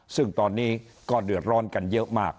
ซึ่งตอนนี้ก็เดือดร้อนกันเยอะมาก